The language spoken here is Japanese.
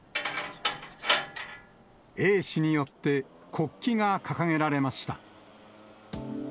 衛視によって国旗が掲げられました。